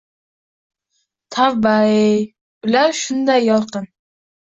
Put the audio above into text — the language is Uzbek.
Tavba-ey, ular shunday yorqin